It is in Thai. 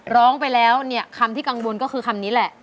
ร้องไปแล้วเนี่ยคำที่กังวลก็คือคำนี้แหละ